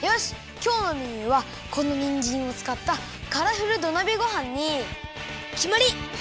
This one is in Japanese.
きょうのメニューはこのにんじんをつかったカラフル土鍋ごはんにきまり！